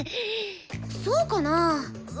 そうかなぁ？